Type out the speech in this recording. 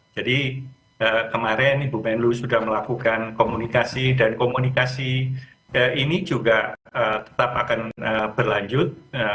jadi kemarin ibu menlu sudah melakukan komunikasi dan komunikasi ini juga tetap akan berlanjut